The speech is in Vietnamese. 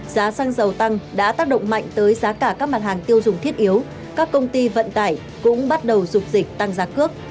giá xăng dầu tăng đã tác động mạnh tới giá cả các mặt hàng tiêu dùng thiết yếu các công ty vận tải cũng bắt đầu dục dịch tăng giá cước